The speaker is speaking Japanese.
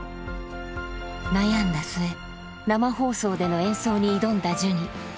悩んだ末生放送での演奏に挑んだジュニ。